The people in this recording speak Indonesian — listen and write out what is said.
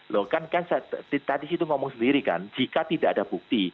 loh kan kan tadi situ ngomong sendiri kan jika tidak ada bukti